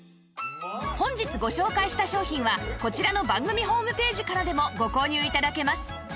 本日ご紹介した商品はこちらの番組ホームページからでもご購入頂けます